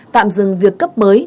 tạm dừng việc cấp mới